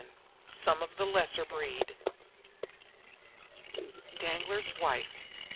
SOME OF THE LESSER BREED Danglar's wife!